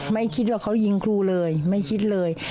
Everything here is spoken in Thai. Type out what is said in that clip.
ไม่คิดว่าเขายิงครูเลยไม่คิดเลย